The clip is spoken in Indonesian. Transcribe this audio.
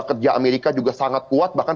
kerja amerika juga sangat kuat bahkan